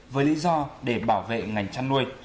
với lý do để bảo vệ ngành chăn nuôi